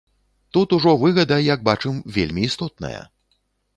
Тут ужо выгада, як бачым, вельмі істотная.